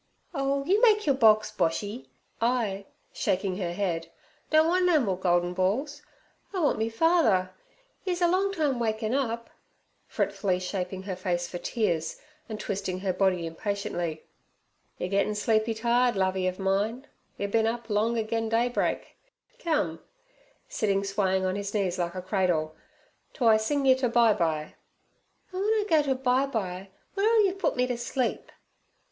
'Oh, you make your box, Boshy. I' shaking her head, 'don't want no more goldin balls. I want me father. 'E's a long time waking up' fretfully shaping her face for tears, and twisting her body impatiently. 'Yer gettin' sleepy tired, Lovey ov mine. Yer bin up long agen daybreak. Come' sitting swaying his knees like a cradle, 'to I sing yer ter bye bye.' 'An' w'en I go to bye bye, w'ere'll yer put me t' sleep?'